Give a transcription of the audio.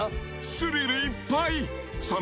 スリルいっぱい！